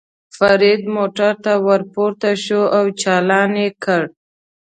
فرید موټر ته ور پورته شو او چالان یې کړ.